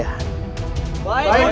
jangan lupa untuk berlangganan